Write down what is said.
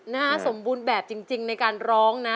สมบูรณ์แบบจริงในการร้องนะ